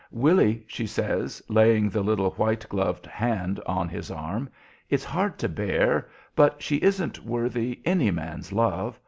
"Willy," she says, laying the little white gloved hand on his arm, "it's hard to bear, but she isn't worthy any man's love.